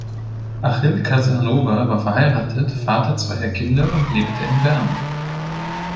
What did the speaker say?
Achille Casanova war verheiratet, Vater zweier Kinder und lebte in Bern.